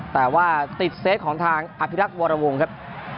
แต่ว่าติดเซฟของทางอภิรักษ์วรวงครับ